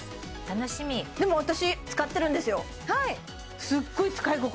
楽しみでも私使ってるんですよ